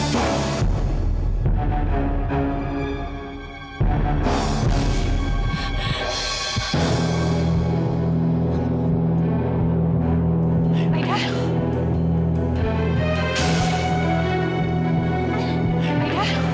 kamu tunangan aku